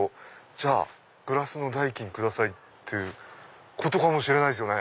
じゃあグラスの代金ください」ってことかもしれないですよね。